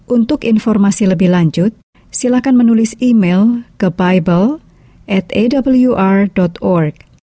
untuk informasi lebih lanjut silahkan menulis email ke bible atawr org